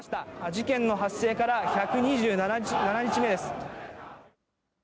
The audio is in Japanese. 事件の発生から１２７日目です。